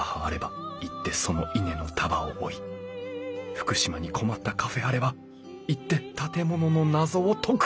福島に困ったカフェあれば行って建物の謎を解く